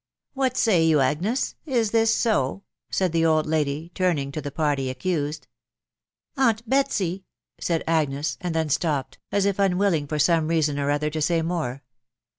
"" What say you, Agnes? .... Is this so? " said list old lady, turning to the party accused. " Aunt Betsy !".... said Agnes, and then stopped, «■ if unwilling, for some reason or other, to say moss.